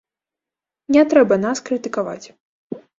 Не трэба нас крытыкаваць.